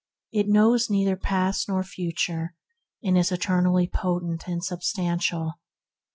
It knows neither past nor future, and is eternally potent and substantial.